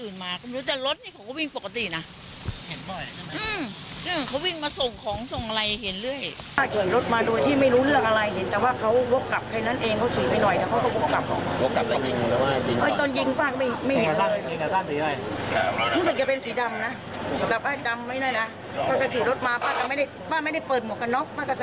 อย่างที่เราไม่เห็น